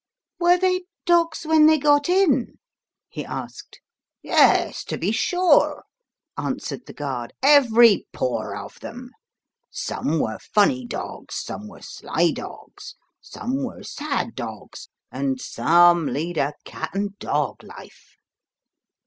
"Were they dogs when they got in?" he asked. "Yes, to be sure," answered the guard, " every paw of them. Some were funny dogs, some were sly dogs, some were sad dogs, and some lead a cat and dog life."